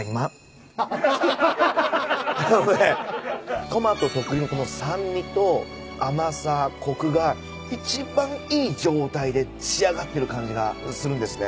あのねトマト特有のこの酸味と甘さコクが一番いい状態で仕上がってる感じがするんですね。